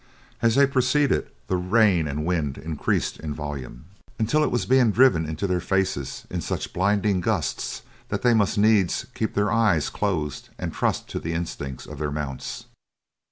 As they proceeded, the rain and wind increased in volume, until it was being driven into their faces in such blinding gusts that they must needs keep their eyes closed and trust to the instincts of their mounts.